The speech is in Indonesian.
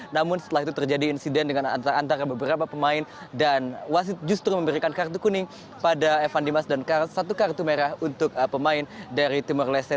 namun setelah itu terjadi insiden antara beberapa pemain dan wasit justru memberikan kartu kuning pada evan dimas dan satu kartu merah untuk pemain dari timur leste